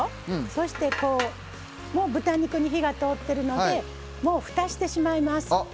そして、豚肉に火が通ってるのでもう、ふたしてしまいます。